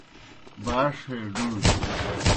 باݜ ہے ڈُوریْ